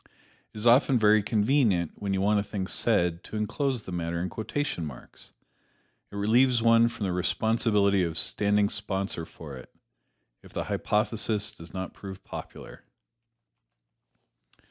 It is often very convenient when you want a thing said to enclose the matter in quotation marks. It relieves one from the responsibility of standing sponsor for it, if the hypothesis does not prove popular.